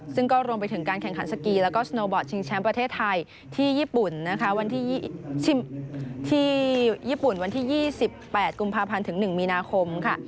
ซึ่งก็รวมไปถึงการแข่งขันสกีและก็สโนบอตชิงแชมป์ประเทศไทยที่ญี่ปุ่นวันที่๒๘กุมภาพันธ์ถึง๑มีนาคม